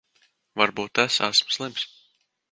Varbūt es esmu slims.